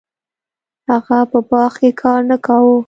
هغه په باغ کې کار نه کاوه.